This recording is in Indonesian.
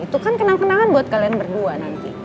itu kan kenang kenangan buat kalian berdua nanti